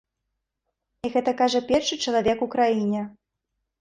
І гэта кажа першы чалавек у краіне.